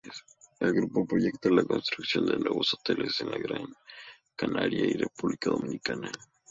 El Grupo proyecta la construcción de nuevos hoteles en Gran Canaria y República Dominicana.